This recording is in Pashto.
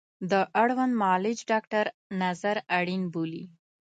د اړوند معالج ډاکتر نظر اړین بولي